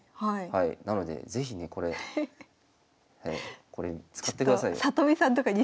なので是非ねこれ使ってくださいよ。